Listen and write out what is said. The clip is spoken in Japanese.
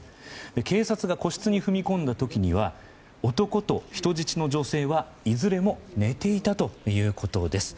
警察が個室に踏み込んだ時には男と人質の女性はいずれも寝ていたということです。